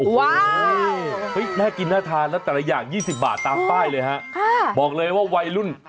โอ้โหน่ากินน่าทานแล้วแต่ละอย่าง๒๐บาทตามป้ายเลยฮะบอกเลยว่าวัยรุ่น